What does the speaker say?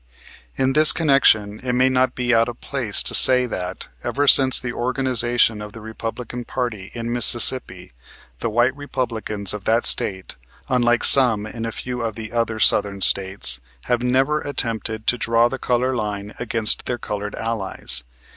In this connection it may not be out of place to say that, ever since the organization of the Republican party in Mississippi, the white Republicans of that State, unlike some in a few of the other Southern States, have never attempted to draw the color line against their colored allies.